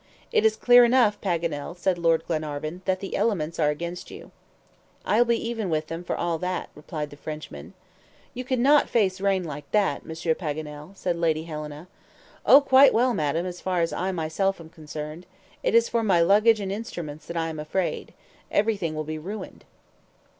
"It is clear enough, Paganel," said Lord Glenarvan, "that the elements are against you." "I'll be even with them for all that," replied the Frenchman. "You could not face rain like that, Monsieur Paganel," said Lady Helena. "Oh, quite well, madam, as far as I myself am concerned. It is for my luggage and instruments that I am afraid. Everything will be ruined."